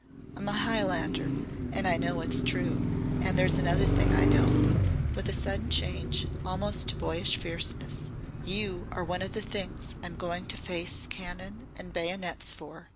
I'm a Highlander and I know it's true. And there's another thing I know," with a sudden change almost to boyish fierceness, "you are one of the things I'm going to face cannon and bayonets for.